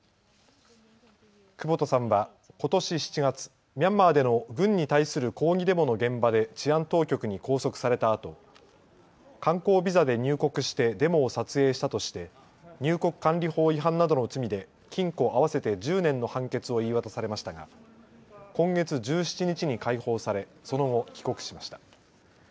久保田さんはことし７月、ミャンマーでの軍に対する抗議デモの現場で治安当局に拘束されたあと観光ビザで入国してデモを撮影したとして入国管理法違反などの罪で禁錮合わせて１０年の判決を言い渡されましたが今月１７日に解放されその後、帰国しました。